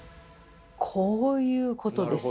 こういうことです。